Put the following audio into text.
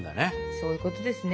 そういうことですね。